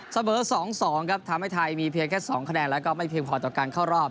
เสมอ๒๒ครับทำให้ไทยมีเพียงแค่๒คะแนนแล้วก็ไม่เพียงพอต่อการเข้ารอบ